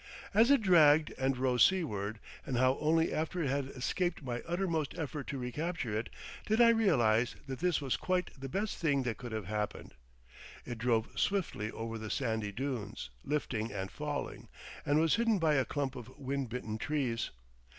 As it dragged and rose seaward, and how only after it had escaped my uttermost effort to recapture it, did I realise that this was quite the best thing that could have happened. It drove swiftly over the sandy dunes, lifting and falling, and was hidden by a clump of windbitten trees.